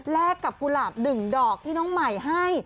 กับกุหลาบ๑ดอกที่น้องใหม่ให้